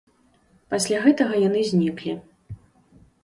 Пасля гэтага яны зніклі.